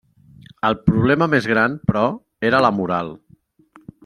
El problema més gran però, era la moral.